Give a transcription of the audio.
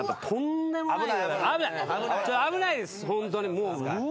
危ないですホントに。